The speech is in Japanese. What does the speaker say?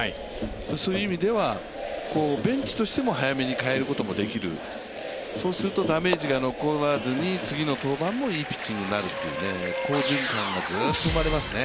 そういう意味では、ベンチとしても早めに代えることができる、そうするとダメージが残らずに次の登板もいいピッチングになるという好循環がずっと生まれますね。